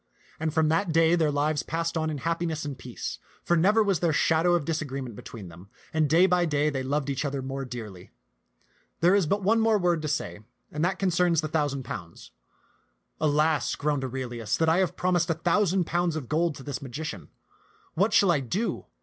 And from that day their lives passed on in happi ness and peace ; for never was there shadow of disagree ment between them, and day by day they loved each other more dearly. There is but one more word to say, and that con cerns the thousand pounds. " Alas," groaned Aurelius, "that I have promised a thousand pounds of gold to this magician. What shall I do